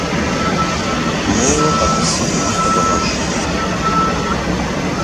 Моуэ къэтӏыси унафэ дыгъэщӏ.